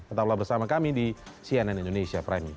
tetaplah bersama kami di cnn indonesia prime news